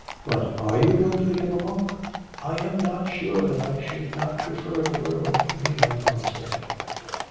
'But are you going to become a monk?' 'I am not sure that I should not prefer the world to be my monastery.'